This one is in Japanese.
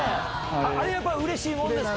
あれ、やっぱりうれしいもんですか？